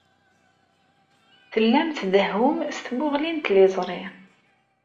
Tellam tdehhum s tmuɣli n tliẓri.